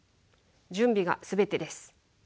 準備が全てです。